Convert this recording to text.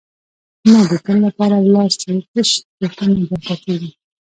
نور د تل لپاره ولاړ سي تش چرتونه در پاتیږي.